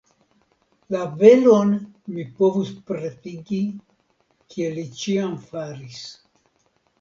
La velon mi povus pretigi kiel li ĉiam faris.